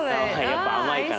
やっぱ甘いからね。